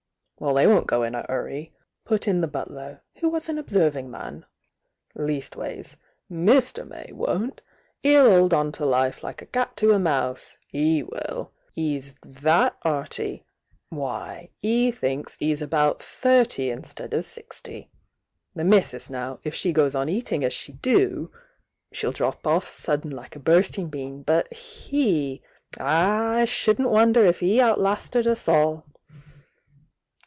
"Well, they won't go in a hurry!" put in the but ler, who was an observing man— "Leastways, Mr. May won't; he'll 'old on to life like a cat to a mouse —hs will! He's that hearty!— why, he thi; :.s he's about thirty instead of sixty. Th^ missis, now,— if she goes on eating as she do,— she'll drop off sud den like a burstin' bean,— but Ac.'— Ah! I shouldn't wonder if he outlasted us all!"